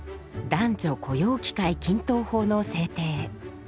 男女雇用機会均等法の制定。